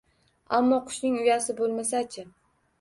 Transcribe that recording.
Ammo qushning uyasi bo`lmasa-chi